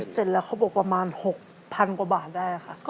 เสร็จแล้วเขาบอกประมาณ๖๐๐๐กว่าบาทได้ค่ะ